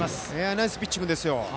ナイスピッチングですよ。